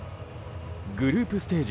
グループステージ